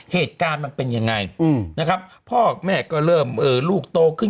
เหตุการณ์มันเป็นยังไงนะครับพ่อแม่ก็เริ่มลูกโตขึ้น